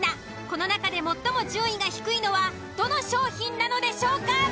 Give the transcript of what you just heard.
この中で最も順位が低いのはどの商品なのでしょうか。